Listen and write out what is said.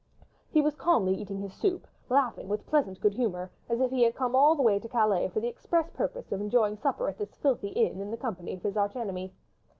..." He was calmly eating his soup, laughing with pleasant good humour, as if he had come all the way to Calais for the express purpose of enjoying supper at this filthy inn, in the company of his arch enemy.